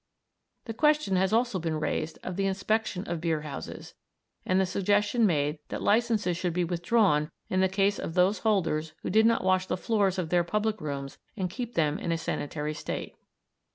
The question has also been raised of the inspection of beerhouses and the suggestion made that licences should be withdrawn in the case of those holders who did not wash the floors of their public rooms and keep them in a sanitary state.